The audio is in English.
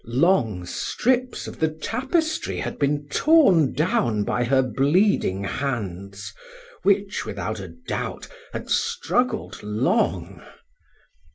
Long strips of the tapestry had been torn down by her bleeding hands, which, without a doubt, had struggled long.